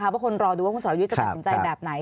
เพราะคนรอดูว่าคุณสรยุทธ์จะตัดสินใจแบบไหน